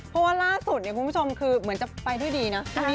เพราะว่าล่าสุดเนี่ยคุณผู้ชมคือเหมือนจะไปด้วยดีนะ